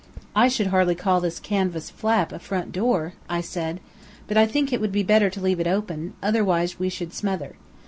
"I should hardly call this canvas flap a front door," I said, "but I think it would be better to leave it open; otherwise we should smother.